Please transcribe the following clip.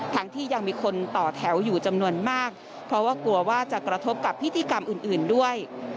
ที่ยังมีคนต่อแถวอยู่จำนวนมากเพราะว่ากลัวว่าจะกระทบกับพิธีกรรมอื่นด้วย